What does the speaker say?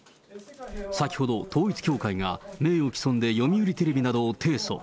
先ほど、統一教会が名誉棄損で読売テレビなどを提訴。